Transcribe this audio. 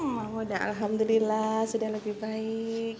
mama udah alhamdulillah sudah lebih baik